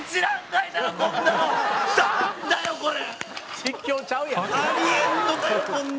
「実況ちゃうやんもう」